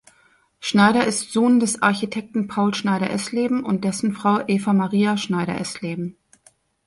Schneider ist Sohn des Architekten Paul Schneider-Esleben und dessen Frau Evamaria Schneider-Esleben.